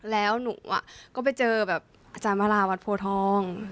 แล้วหนูก็ไปเจอแบบอาจารย์วราวัดโพทอง